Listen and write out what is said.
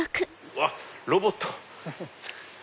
うわっロボット。